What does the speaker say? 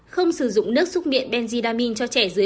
không sử dụng nước xúc miệng benzidamine cho trẻ dưới một mươi hai tuổi